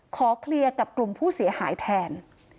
ขอเคลียร์กับกลุ่มผู้เสียหายแทน